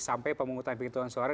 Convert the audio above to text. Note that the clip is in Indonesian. sampai pemungutan pengecualian suara